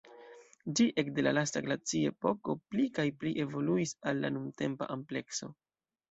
Ĝi ekde la lasta glaciepoko pli kaj pli evoluis al la nuntempa amplekso.